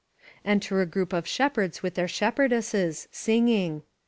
" Enter a group of shepherds with their shepherdesses, singing.